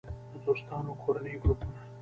- د دوستانو او کورنۍ ګروپونه